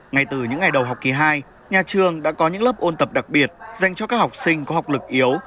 ngay từ những ngày đầu học kỳ hai nhà trường đã có những lớp ôn tập đặc biệt dành cho các học sinh có học lực yếu